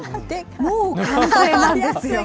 もう完成なんですよ。